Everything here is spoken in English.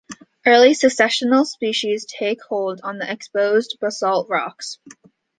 Early successional species take hold on the exposed basalt rocks.